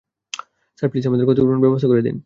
Sir, please আমাদের ক্ষতিপূরণের ব্যবস্থা করে দিন।